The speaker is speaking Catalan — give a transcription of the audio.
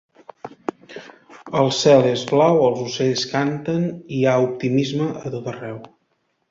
El cel és blau, els ocells canten, hi ha optimisme a tot arreu.